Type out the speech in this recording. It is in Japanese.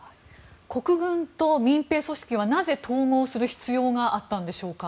国軍と民兵組織はなぜ統合する必要があったんでしょうか？